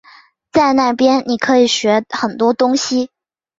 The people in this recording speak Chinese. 在那边你可以学很多东西